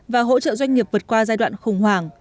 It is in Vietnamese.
và hỗ trợ doanh nghiệp vượt qua giai đoạn khủng hoảng